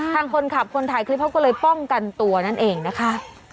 ทางคนขับคนถ่ายคลิปเขาก็เลยป้องกันตัวนั่นเองนะคะ